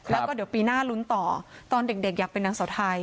แล้วก็เดี๋ยวปีหน้าลุ้นต่อตอนเด็กอยากเป็นนางเสาไทย